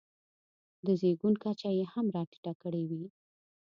د زېږون کچه یې هم راټیټه کړې وي.